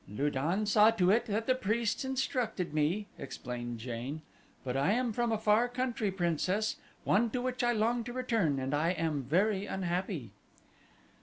"Lu don saw to it that the priests instructed me," explained Jane; "but I am from a far country, Princess; one to which I long to return and I am very unhappy."